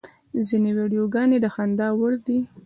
ځینې ویډیوګانې د خندا وړ دي.